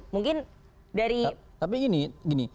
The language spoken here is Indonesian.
mungkin dari tapi gini